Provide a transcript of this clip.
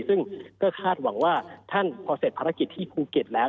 ซึ่งก็คาดหวังว่าท่านพอเสร็จภารกิจที่ภูเก็ตแล้ว